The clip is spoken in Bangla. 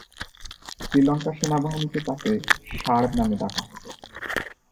শ্রীলঙ্কা সেনাবাহিনীতে তাকে 'ষাঁড়' নামে ডাকা হতো।